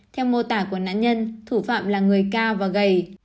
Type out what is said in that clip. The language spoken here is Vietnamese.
theo mô tả của nạn nhân thủ phạm là người cao và gầy